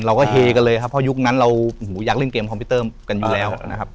เราก็เฮกันเลยครับเพราะยุคนั้นเราอยากเล่นเกมคอมพิวเตอร์กันอยู่แล้วนะครับ